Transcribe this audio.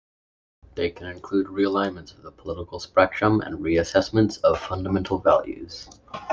They can include re-alignments of the political spectrum and reassessments of fundamental values.